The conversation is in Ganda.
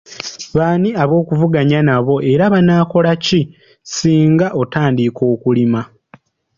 B’ani ab’okuvuganya nabo era banaakola ki singa otandika okulima?